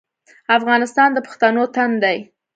افغانستان د پښتنو تن دی